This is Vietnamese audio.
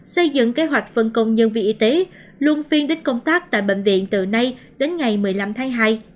xây dựng kế hoạch phân công nhân viên y tế luôn phiên đến công tác tại bệnh viện từ nay đến ngày một mươi năm tháng hai